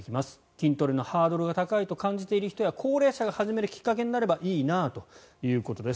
筋トレのハードルが高いと感じている人や高齢者が始めるきっかけになればいいなということです。